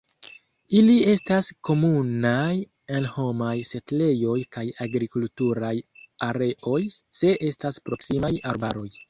Ili estas komunaj en homaj setlejoj kaj agrikulturaj areoj se estas proksimaj arbaroj.